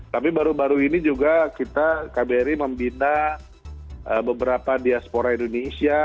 tapi baru baru ini juga kita kbri membina beberapa diaspora indonesia